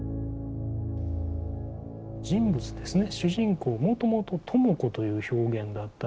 人物ですね